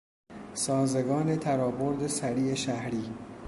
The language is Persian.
سازگان ترابرد سریع شهری